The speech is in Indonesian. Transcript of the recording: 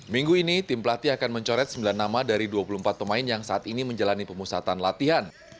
minggu ini tim pelatih akan mencoret sembilan nama dari dua puluh empat pemain yang saat ini menjalani pemusatan latihan